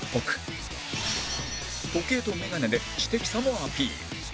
時計とメガネで知的さもアピール